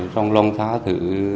trong lòng thá thử